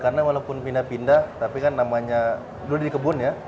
karena walaupun pindah pindah tapi kan namanya dulu di kebun ya